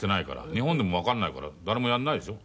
日本でもわかんないから誰もやんないでしょ。